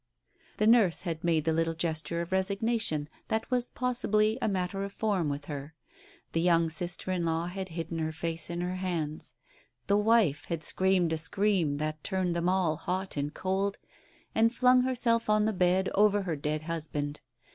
The nurse had made the little gesture of resignation that was possibly a matter of form with her. The young sister in law had hidden her face in her hands. The wife had screamed a scream that had turned them all hot and cold — and flung herself on the bed over her dead hus band.